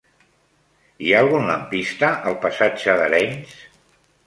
Hi ha algun lampista al passatge d'Arenys?